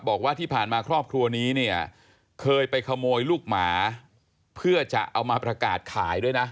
บอกว่าที่ผ่านมาครอบครัวนี้เนี่ยเคยไปขโมยลูกหมาเพื่อจะเอามาประกาศขายด้วยนะ